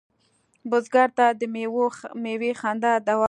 بزګر ته د میوې خندا دعا ده